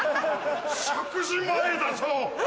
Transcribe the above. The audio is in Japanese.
食事前だぞ！